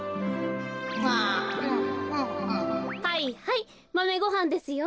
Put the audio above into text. はいはいマメごはんですよ。